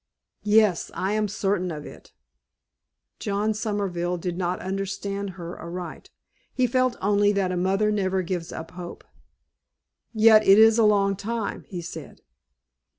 "Yes, I am certain of it." John Somerville did not understand her aright. He felt only that a mother never gives up hope. "Yet it is a long time," he said.